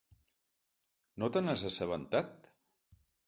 No te n'has assabentat?